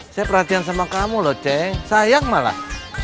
saya perhatian sama kamu loh ceng sayang malah